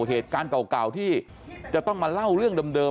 เหตุการณ์เก่าที่จะต้องมาเล่าเรื่องเดิม